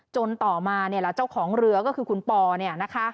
ต่อมาเนี่ยแหละเจ้าของเรือก็คือคุณปอเนี่ยนะคะ